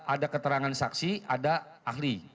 ada keterangan saksi ada ahli